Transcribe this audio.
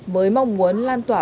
với mong muốn lan tỏa